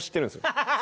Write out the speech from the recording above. ハハハハ！